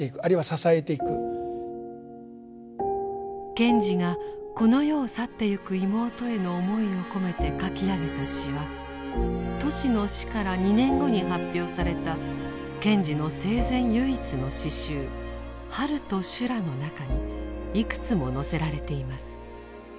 賢治がこの世を去ってゆく妹への思いを込めて書き上げた詩はトシの死から２年後に発表された賢治の生前唯一の詩集「春と修羅」の中にいくつも載せられています。